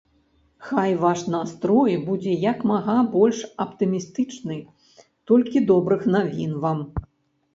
Хай ваш настрой будзе як мага больш аптымістычны, толькі добрых навін вам.